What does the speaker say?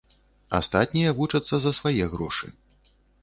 Астатнія вучацца за свае грошы.